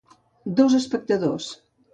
Dos espectadors